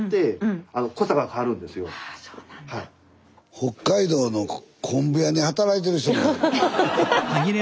北海道の昆布屋に働いてる人みたい。